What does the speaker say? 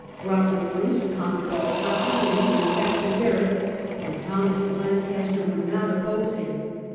Robert Bruce conquered all Scotland and even captured Berwick, and Thomas of Lancaster would not oppose him.